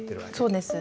そうです。